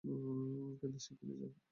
কিন্তু শিগগির যা।